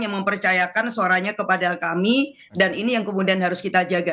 yang mempercayakan suaranya kepada kami dan ini yang kemudian harus kita jaga